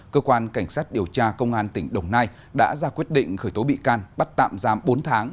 cơ quan cảnh sát điều tra công an tỉnh đồng nai đã ra quyết định khởi tố bị can bắt tạm giam bốn tháng